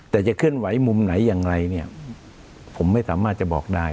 แต่จะเคลื่อนไหวมุมไหนอย่างไรเนี่ยผมไม่สามารถจะบอกได้